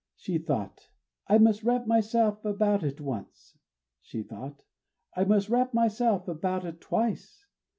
She thought: "I must wrap myself about it once." She thought: "I must wrap myself about it twice!"